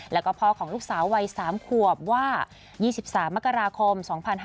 แล้วก็พ่อของลูกสาววัย๓ขวบว่า๒๓มกราคม๒๕๕๙